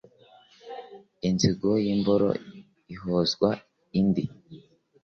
Inzigo y’imboro ihozwa indi